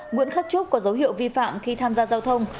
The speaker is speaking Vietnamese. nguyễn khắc trúc có dấu hiệu vi phạm khi tham gia giao thông